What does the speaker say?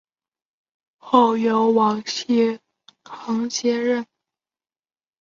后由王熙泰接任。